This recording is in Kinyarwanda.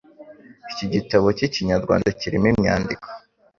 Iki gitabo k'Ikinyarwanda kirimo imyandiko